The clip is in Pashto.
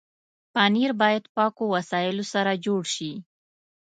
پنېر باید پاکو وسایلو سره جوړ شي.